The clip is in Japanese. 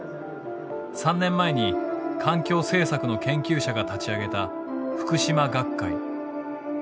３年前に環境政策の研究者が立ち上げたふくしま学会。